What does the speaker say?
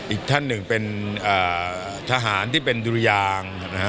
อีกท่านหนึ่งเป็นทหารที่เป็นดุรยางนะฮะ